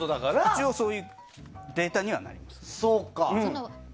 一応そういうデータにはなります。